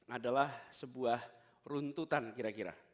adalah sebuah runtutan kira kira